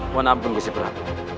mohon ampun bu siprah